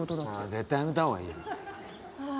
絶対やめたほうがいいよ。はあ